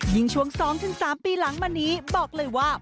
ช่วง๒๓ปีหลังมานี้บอกเลยว่า